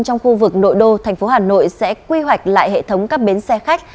trong khu vực nội đô thành phố hà nội sẽ quy hoạch lại hệ thống các bến xe khách